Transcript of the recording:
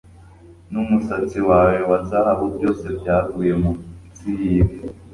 Numusatsi wawe wa zahabu byose byaguye munsi yivi